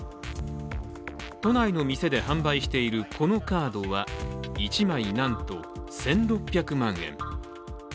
都内の店で販売しているこのカードは１枚なんと１６００万円。